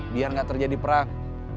biar gak terjadi perang